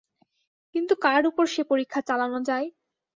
কিন্তু কার ওপর সে পরীক্ষা চালানো যায়?